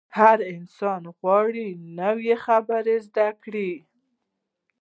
هر انسان غواړي نوې خبرې زده کړي.